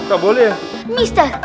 gak boleh ya